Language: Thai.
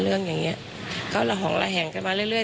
เรื่องอย่างนี้เขาหล่อหล่อแห่งกันมาเรื่อย